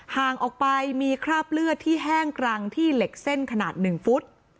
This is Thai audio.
ห่างออกไปมีคราบเลือดที่แห้งกรังที่เหล็กเส้นขนาด๑ฟุต